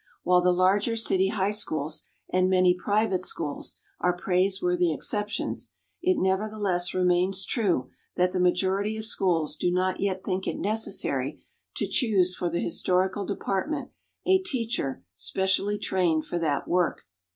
While the larger city high schools and many private schools are praiseworthy exceptions, it nevertheless remains true that the majority of schools do not yet think it necessary to choose for the historical department a teacher specially trained for that work.